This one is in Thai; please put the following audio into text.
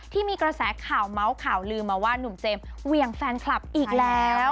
ที่มีกระแสข่าวเมาส์ข่าวลืมมาว่าหนุ่มเจมส์เวียงแฟนคลับอีกแล้ว